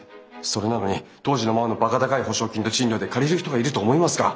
それなのに当時のままのバカ高い保証金と賃料で借りる人がいると思いますか？